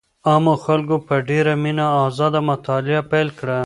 عامو خلګو په ډېره مينه ازاده مطالعه پيل کړه.